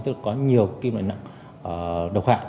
tức là có nhiều kim loại nặng độc hạng